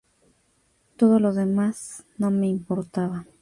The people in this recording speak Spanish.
Todo lo demás no me importaba".